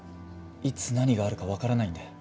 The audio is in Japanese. いつ何があるかわからないんで。